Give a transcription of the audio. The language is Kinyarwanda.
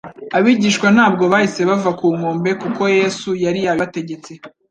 abigishwa ntabwo bahise bava ku nkombe nk'uko Yesu yari yari yabibategetse.